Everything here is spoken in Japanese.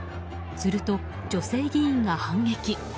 すると、女性議員が反撃。